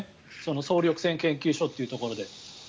総力戦研究所というところで。